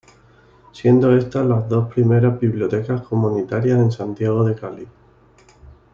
Siendo estas las dos primeras bibliotecas comunitarias en Santiago de Cali.